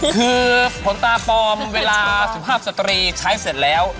คือผลตาปลอมเวลาสุภาพสตรีใช้เสร็จแล้ว